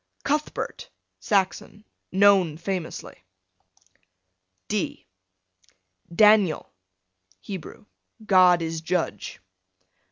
Cuthbert, Saxon, known famously. D Daniel, Hebrew, God is judge.